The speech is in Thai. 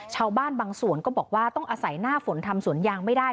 ชาวบ้านบางส่วนก็บอกว่าต้องอาศัยหน้าฝนทำสวนยางไม่ได้